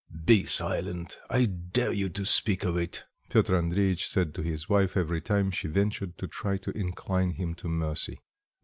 "Be silent! I dare you to speak of it," Piotr Andreitch said to his wife every time she ventured to try to incline him to mercy.